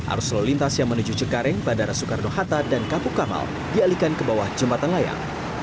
arus lalu lintas yang menuju cengkareng bandara soekarno hatta dan kapuk kamal dialihkan ke bawah jembatan layang